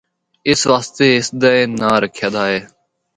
اسی واسطے اس دا اے ناں رکھیا دا ہے۔